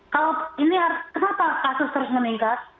kalau ini harus kenapa kasus terus meningkat